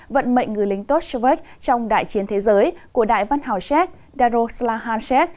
vận mệnh người lính tốt svek trong đại chiến thế giới của đại văn hóa xéc daroslahan xéc